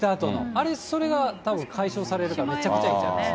あれ、それがたぶん解消されるから、めちゃくちゃええんちゃいます。